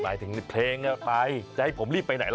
หมายถึงเพลงไปจะให้ผมรีบไปไหนล่ะ